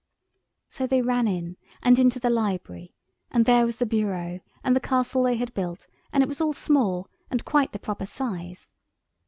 So they ran in, and into the library, and there was the bureau and the castle they had built, and it was all small and quite the proper size.